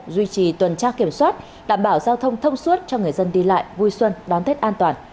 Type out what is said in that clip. duy trì tuần tra kiểm soát đảm bảo giao thông thông suốt cho người dân đi lại vui xuân đón tết an toàn